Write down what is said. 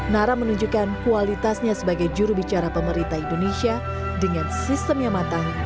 nara menunjukkan kualitasnya sebagai jurubicara pemerintah indonesia dengan sistem yang matang